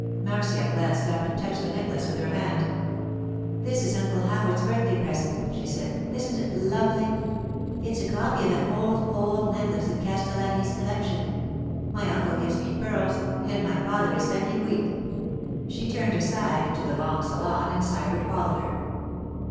Marcia glanced up and touched the necklace with her hand. 'This is Uncle Howard's birthday present,' she said. 'Isn't it lovely? It's a copy of an old, old necklace in Castellani's collection. My uncle gives me pearls, and my father is sending wheat.' She turned aside into the long salon, and Sybert followed her.